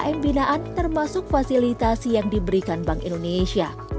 umkm binaan termasuk fasilitasi yang diberikan bank indonesia